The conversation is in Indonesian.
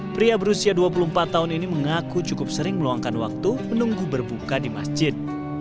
pria berusia dua puluh empat tahun ini mengaku cukup sering meluangkan waktu menunggu berbuka di masjid